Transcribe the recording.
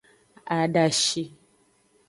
Adashi.